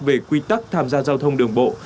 về quy tắc tham gia giao thông đường bộ